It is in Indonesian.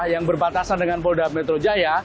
yang berbatasan dengan polda metro jaya